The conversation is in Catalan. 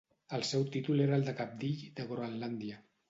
El seu títol era el de cabdill de Groenlàndia.